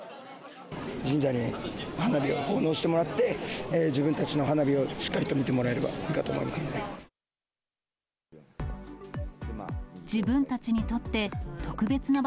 神社に花火を奉納してもらって、自分たちの花火をしっかりと見てもらえればいいかと思いますね。